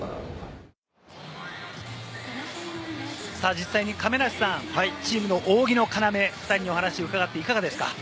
実際に亀梨さん、チームの扇の要の２人にお話を伺っていかがですか？